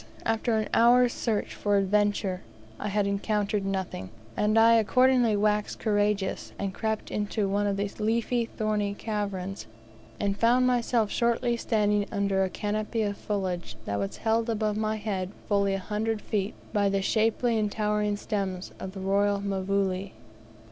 after an hour's search for adventure, I had encountered nothing, and I accordingly waxed courageous, and crept into one of these leafy, thorny caverns, and found myself shortly standing under a canopy of foliage that was held above my head fully a hundred feet by the shapely and towering stems of the royal mvule.